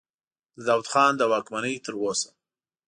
د داود خان له واکمنۍ تر اوسه.